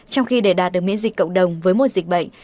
trong khi để đạt được miễn dịch cộng đồng với một dịch bệnh